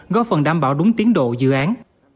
góp phần đảm bảo đúng tiến độ dự án